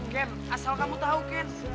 ken asal kamu tahu ken